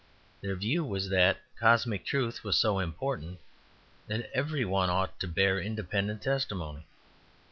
Their view was that cosmic truth was so important that every one ought to bear independent testimony.